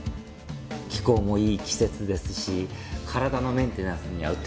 気候もいい季節ですし体のメンテナンスにはうってつけです。